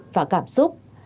và cảm xúc